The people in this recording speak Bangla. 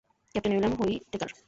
Captain William Whitaker?